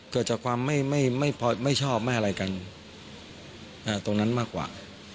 เกิดจากความไม่ไม่ไม่พอไม่ชอบแม่อะไรกันอ่าตรงนั้นมากกว่า